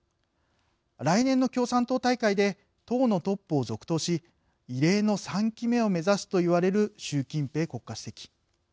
来年の共産党大会で党のトップを続投し異例の３期目を目指すと言われる習近平国家主席。